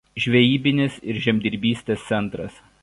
Žvejybinis ir žemdirbystės centras.